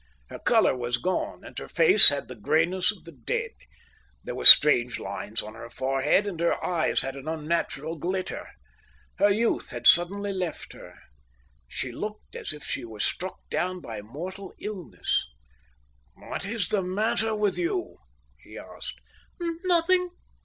Her colour was gone, and her face had the greyness of the dead. There were strange lines on her forehead, and her eyes had an unnatural glitter. Her youth had suddenly left her. She looked as if she were struck down by mortal illness. "What is that matter with you?" he asked. "Nothing."